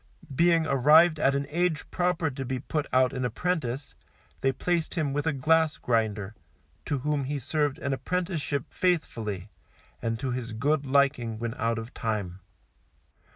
Being arrived at an age proper to be put out an apprentice, they placed him with a glass grinder, to whom he served an apprenticeship faithfully, and to his good liking when out of time.